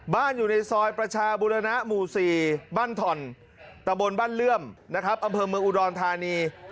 อยู่ในซอยประชาบุรณะหมู่๔บ้านถ่อนตะบนบ้านเลื่อมนะครับอำเภอเมืองอุดรธานี